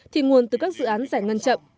thì nguồn từ các dự án giải ngân chậm